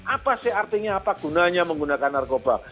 apa sih artinya apa gunanya menggunakan narkoba